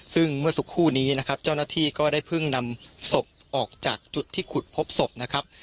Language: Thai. ซึ่งเมื่อสักครู่นี้นะครับเจ้าหน้าที่ก็ได้เพิ่งนำศพออกจากจุดที่ขุดพบศพนะครับ